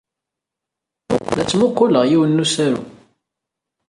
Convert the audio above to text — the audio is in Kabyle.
La ttmuqquleɣ yiwen n usaru.